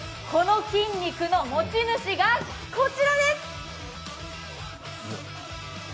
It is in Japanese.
この筋肉の持ち主が、こちらです。